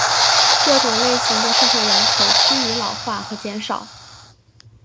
这种类型的社会人口趋于老化和减少。